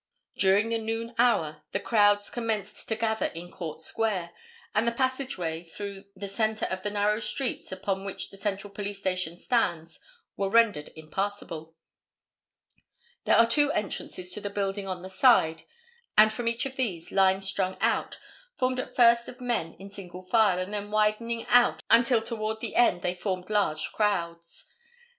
During the noon hour the crowds commenced to gather in Court Square, and the passageway through the centre of the narrow streets upon which the Central Police Station stands was rendered impassable. There are two entrances to the building on the side, and from each of these, lines strung out, formed at first of men in single file, and then widening out until toward the end they formed large crowds.